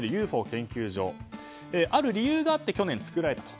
研究所ある理由があって去年作られたと。